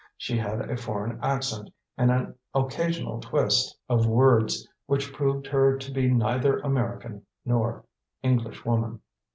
She had a foreign accent, and an occasional twist of words which proved her to be neither American nor Englishwoman.